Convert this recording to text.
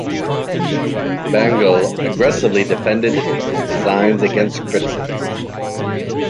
Bangle aggressively defended his designs against criticism.